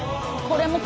これ。